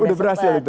udah berhasil itu